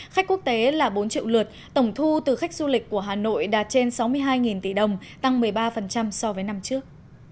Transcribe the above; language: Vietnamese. khách quốc tế là bốn triệu lượt tổng thu từ khách du lịch của hà nội đạt trên sáu mươi hai tỷ đồng tăng một mươi ba so với năm trước